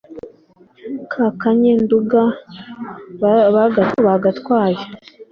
ka kanye-Nduga bagatwaye